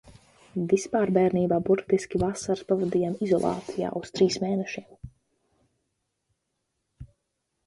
Vispār bērnībā burtiski vasaras pavadījām izolācijā uz trīs mēnešiem.